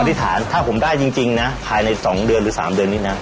ธิษฐานถ้าผมได้จริงนะภายใน๒เดือนหรือ๓เดือนนี้นะ